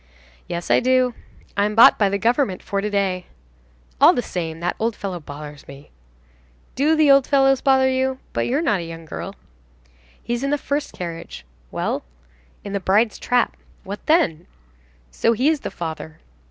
"Yes, I do." "I'm bought by the government for to day." "All the same, that old fellow bothers me." "Do the old fellows bother you? But you're not a young girl." "He's in the first carriage." "Well?" "In the bride's trap." "What then?" "So he is the father."